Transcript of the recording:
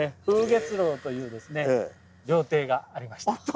「風月楼」という料亭がありました。